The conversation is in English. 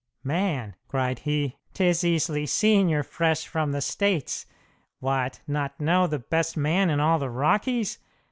"Man," cried he, "'tis easily seen you're fresh from the States! What, not know the best man in all the Rockies?